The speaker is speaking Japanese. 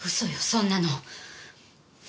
そんなの。